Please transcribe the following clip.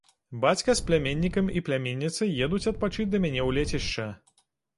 Бацька з пляменнікам і пляменніцай едуць адпачыць да мяне ў лецішча.